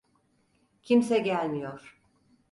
Kimse gelmiyor.